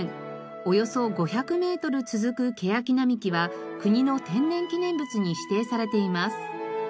およそ５００メートル続くケヤキ並木は国の天然記念物に指定されています。